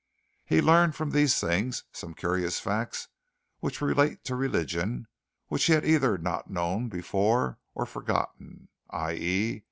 He learned from these things some curious facts which relate to religion, which he had either not known before or forgotten, i.e.